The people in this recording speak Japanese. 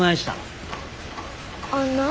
あんな。